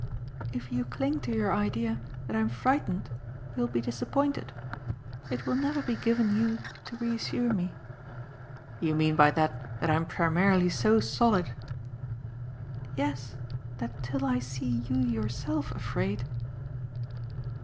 "If you cling to your idea that I'm frightened you'll be disappointed. It will never be given you to reassure me." "You mean by that that I'm primarily so solid !" "Yes, that till I see you yourself afraid